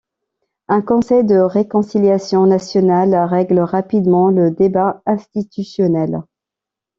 Un Conseil de réconciliation nationale règle rapidement le débat institutionnel.